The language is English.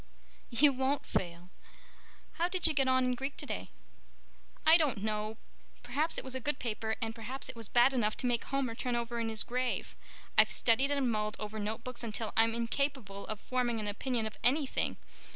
"You won't fail. How did you get on in Greek today?" "I don't know. Perhaps it was a good paper and perhaps it was bad enough to make Homer turn over in his grave. I've studied and mulled over notebooks until I'm incapable of forming an opinion of anything.